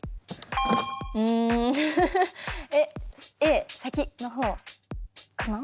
うんＡ先のほうかな？